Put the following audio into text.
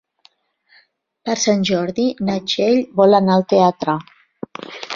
Per Sant Jordi na Txell vol anar al teatre.